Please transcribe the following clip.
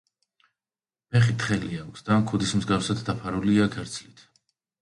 ფეხი თხელი აქვს და ქუდის მსგავსად დაფარულია ქერცლით.